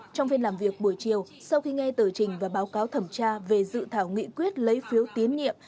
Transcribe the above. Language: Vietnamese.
trong phiên làm việc buổi chiều sau khi nghe tờ trình và báo cáo thẩm tra về dự thảo nghị quyết lấy phiếu tín nhiệm